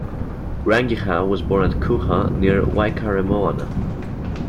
Rangihau was born at Kuha near Waikaremoana.